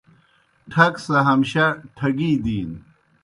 ٹھگ سہ ہمشہ ٹھگی دِینوْ۔